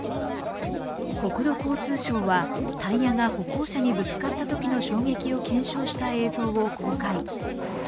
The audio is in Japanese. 国土交通省はタイヤが歩行者にぶつかったときの衝撃を検証した映像を公開。